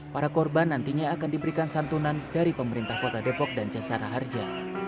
para korban nantinya akan diberikan santunan dari pemerintah kota depok dan cesara harja